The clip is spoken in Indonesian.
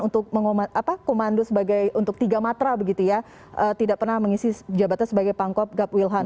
untuk komando sebagai untuk tiga matra begitu ya tidak pernah mengisi jabatan sebagai pangkop gap wilhan